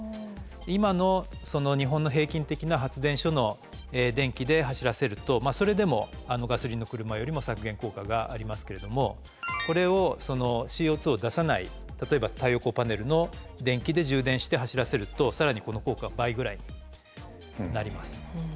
今の日本の平均的な発電所の電気で走らせるとそれでもガソリンの車よりも削減効果がありますけれどもこれをＣＯを出さない例えば太陽光パネルの電気で充電して走らせると更にこの効果は倍ぐらいになります。